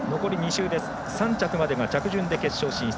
３着までが着順で決勝進出。